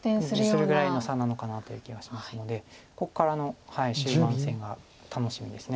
するぐらいの差なのかなという気がしますのでここから終盤戦が楽しみです。